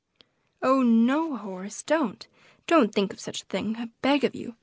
"Oh no, Horace, don't! don't think of such a thing, I beg of you!"